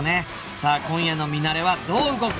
さあ今夜のミナレはどう動く！？